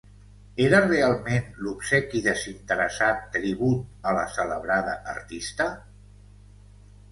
¿era realment, l'obsequi, desinteressat tribut a la celebrada artista?